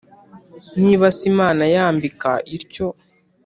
Niba se Imana yambika ityo